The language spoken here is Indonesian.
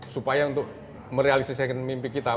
supaya untuk merealisasikan mimpi kita